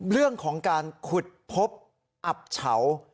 เรื่องของการขุดพบอับเฉา